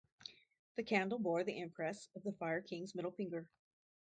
The candle bore the impress of the Fire King's middle finger.